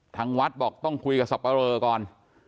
ทางวัดบอกต้องคุยกับสับปะเรอก่อน